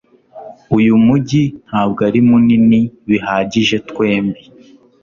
Uyu mujyi ntabwo ari munini bihagije twembi.